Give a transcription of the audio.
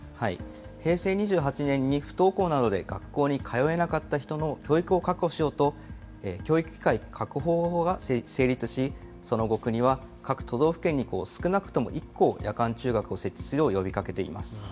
平成２８年に不登校などで学校に通えなかった人の教育を確保しようと、教育機会確保法が成立し、その後、国は各都道府県に少なくとも１校、夜間中学を設置するよう呼びかけています。